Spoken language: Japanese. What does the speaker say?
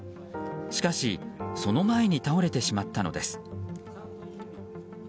しかし、その前に倒れてしまったのです。